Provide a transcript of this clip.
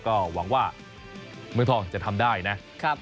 ก็หวังว่าเมืองทองจะทำได้นะ